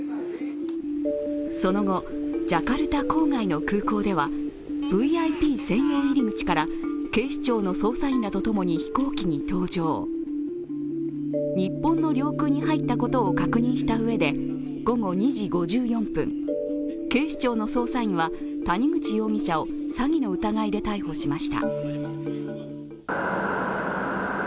その後、ジャカルタ郊外の空港ではＶＩＰ専用入り口から警視庁の捜査員らとともに飛行機に搭乗、日本の領空に入ったことを確認したうえで午後２時５４分、警視庁の捜査員は谷口容疑者を詐欺の疑いで逮捕しました。